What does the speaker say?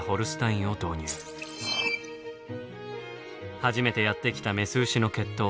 初めてやって来たメス牛の血統